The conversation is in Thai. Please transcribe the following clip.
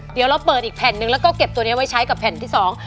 เดี๋ยวเราเปิดอีกแผ่นหนึ่งแล้วก็เก็บตัวนี้ไว้ใช้กับแผ่นที่สอง